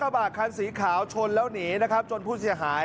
กาบหาขั่นสีขาวโยงช้นแล้วหนีครับจนพูดเสียหาย